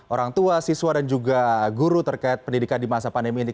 orang tua siswa dan juga guru terkait pendidikan di masa pandemi ini